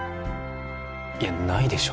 いやないでしょ